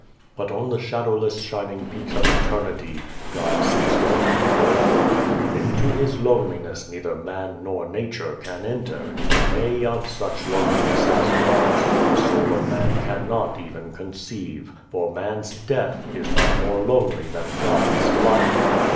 " But on the shadowless, shining peaks of Eternity, God sits lonely forever; and into His loneliness neither man nor Nature can enter. Nay, of such loneliness as God's, the soul of man cannot even conceive, for man's death is not more lonely than God's life.